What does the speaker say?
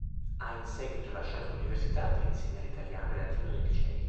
Ha in seguito lasciato l'Università per insegnare italiano e latino nei licei.